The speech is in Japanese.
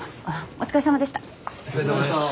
お疲れさまでした。